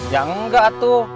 ya enggak tuh